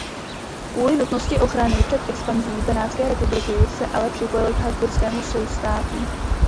Kvůli nutnosti ochrany před expanzí Benátské republiky se ale připojil k habsburskému soustátí.